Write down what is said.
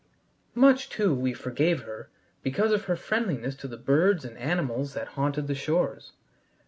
Much, too, we forgave her because of her friendliness to the birds and animals that haunted the shores.